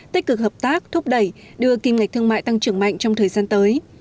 tích cực hợp tác thúc đẩy đưa kim ngạch thương mại tăng trưởng mạnh trong thời gian tới